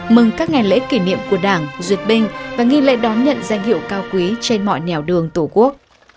mừng các ngày lễ kỷ niệm của đảng duyệt binh và nghi lễ đón nhận danh hiệu cao quý trên mọi nẻo đường tổ quốc